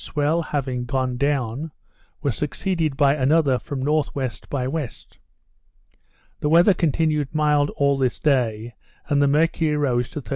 swell having gone down, was succeeded by another from N.W. by W. The weather continued mild all this day, and the mercury rose to 39 1/2.